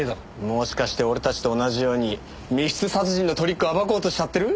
もしかして俺たちと同じように密室殺人のトリックを暴こうとしちゃってる？